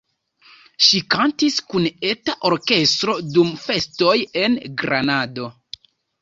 Ŝi kantis kun eta orkestro dum festoj en Granado.